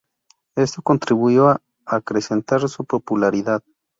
Esto contribuyó a acrecentar su popularidad.